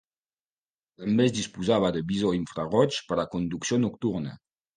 També es disposava de visors infraroigs per a conducció nocturna.